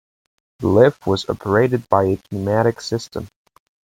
The lift was operated by a pneumatic system.